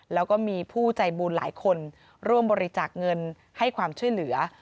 แล้วก็มีผู้ใจบุญหลายคนร่วมบริจาคเงินให้ความช่วยเหลือ